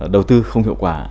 đầu tư không hiệu quả